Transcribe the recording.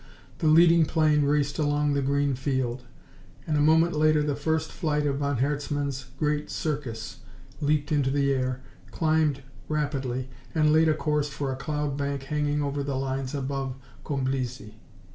The leading plane raced along the green field, and a moment later the first flight of von Herzmann's great Circus leaped into the air, climbed rapidly, and laid a course for a cloud bank hanging over the lines above Comblizy.